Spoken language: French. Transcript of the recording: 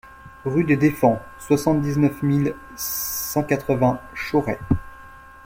Rue des Deffends, soixante-dix-neuf mille cent quatre-vingts Chauray